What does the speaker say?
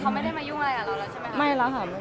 อเรนนี่มีหลังไม้ไม่มี